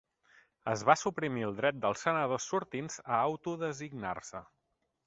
Es va suprimir el dret dels senadors sortints a auto designar-se.